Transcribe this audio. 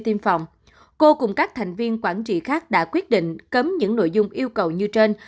tiêm phòng cô cùng các thành viên quản trị khác đã quyết định cấm những nội dung yêu cầu như trên